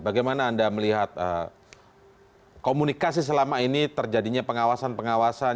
bagaimana anda melihat komunikasi selama ini terjadinya pengawasan pengawasan